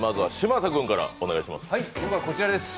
僕はこちらです。